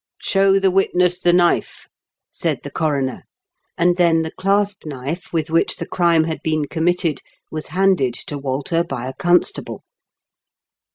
"Show the witness the knife," said the coroner ; and then the clasp knife with which the crime had been committed was handed to Walter by a constable.